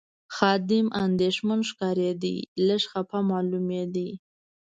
خادم اندېښمن ښکارېد، لږ خپه معلومېده.